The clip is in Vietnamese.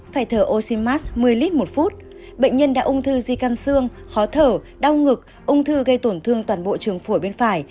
phải thở oxymars một mươi lít một phút bệnh nhân đã ung thư di căn xương khó thở đau ngực ung thư gây tổn thương toàn bộ trường phổi bên phải